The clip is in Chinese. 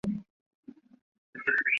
丰特夫罗修道院。